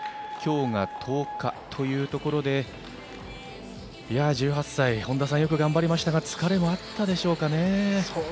今日が１０日というところで１８歳、本田さんよく頑張りましたが疲れもあったでしょうかね。